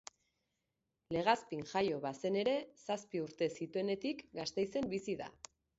Legazpin jaio bazen ere, zazpi urte zituenetik Gasteizen bizi da.